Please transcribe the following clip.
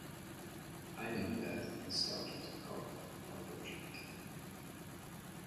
I'm in bed and starting to cough, unfortunately.